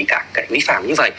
các cái nguy phạm như vậy